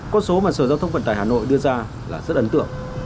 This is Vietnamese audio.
con số mà sở giao thông vận tải hà nội đưa ra là rất ấn tượng